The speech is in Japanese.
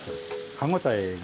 歯応えが。